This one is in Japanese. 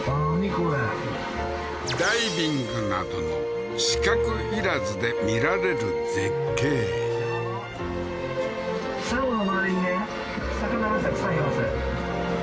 これダイビングなどの資格いらずで見られる絶景サンゴの周りにね魚がたくさんいます